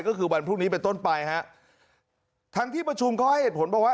ก็คือวันพรุ่งนี้เป็นต้นไปฮะทั้งที่ประชุมเขาให้เหตุผลบอกว่า